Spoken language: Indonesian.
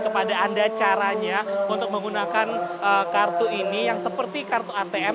kepada anda caranya untuk menggunakan kartu ini yang seperti kartu atm